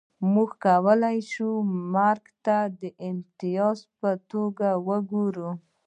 موږ کولای شو مرګ ته د امتیاز په توګه وګورو